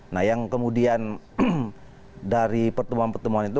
nah yang kemudian dari pertemuan pertemuan itu